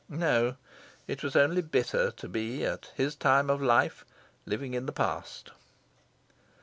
No, it was only bitter, to be, at his time of life, living in the past.